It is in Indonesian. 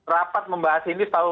rapat membahas ini